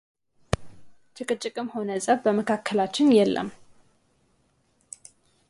ጭቅጭቅም ሆነ ፀብ በመካከላችን የለም፡፡